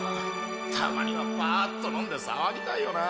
たまにはパーッと飲んで騒ぎたいよなぁ。